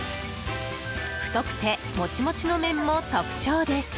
太くてモチモチの麺も特徴です。